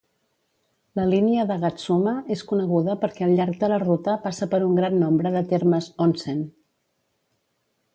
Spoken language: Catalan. La línia d'Agatsuma és coneguda perquè al llarg de la ruta passa per un gran nombre de termes "onsen".